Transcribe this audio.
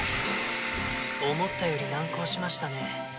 思ったより難航しましたね。